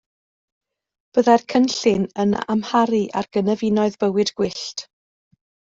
Byddai'r cynllun yn amharu ar gynefinoedd bywyd gwyllt.